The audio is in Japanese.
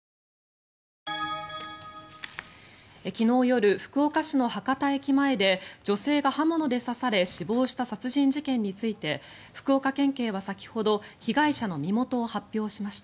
昨日夜、福岡市の博多駅前で女性が刃物で刺され死亡した殺人事件について福岡県警は先ほど被害者の身元を発表しました。